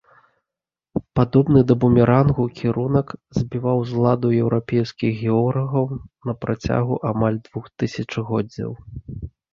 Падобны да бумерангу кірунак збіваў з ладу еўрапейскіх географаў на працягу амаль двух тысячагоддзяў.